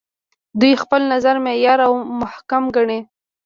دوی خپل نظر معیار او محک ګڼي.